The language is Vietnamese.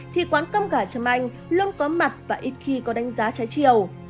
thì quán cơm gà châm anh luôn có mặt và ít khi có đánh giá trái chiều